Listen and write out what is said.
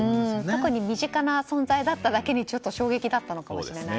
特に身近な存在だっただけに衝撃だったのかもしれませんね。